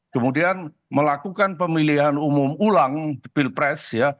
kemudian melakukan pemilihan umum ulang pilpres